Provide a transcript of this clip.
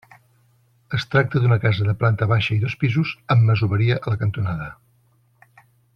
Es tracta d'una casa de planta baixa i dos pisos, amb masoveria a la cantonada.